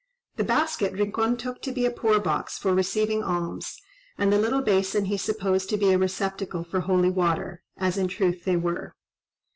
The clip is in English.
The basket Rincon took to be a poor box, for receiving alms, and the little basin he supposed to be a receptacle for holy water, as in truth they were.